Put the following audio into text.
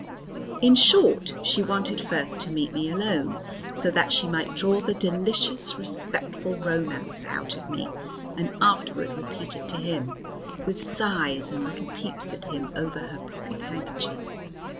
In short, she wanted first to meet me alone, so that she might draw the delicious, respectful romance out of me, and afterward repeat it to him, with sighs and little peeps at him over her pocket handkerchief.